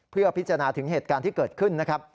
เพื่อพิจารณาถึงเหตุการณ์ที่เกิดขึ้นนะครับ